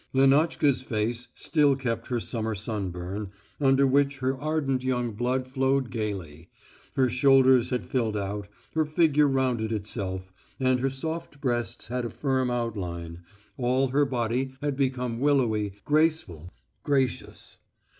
Lenotchka's face still kept her summer sunburn, under which her ardent young blood flowed gaily, her shoulders had filled out, her figure rounded itself, and her soft breasts had a firm outline all her body had become willowy, graceful, gracious.